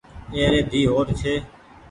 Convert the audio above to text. اي ري ڌي هوٽ ڇي۔